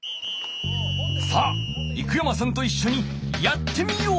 さあ生山さんといっしょに「やってみよう！」